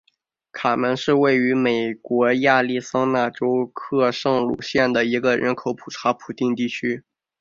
卡门是位于美国亚利桑那州圣克鲁斯县的一个人口普查指定地区。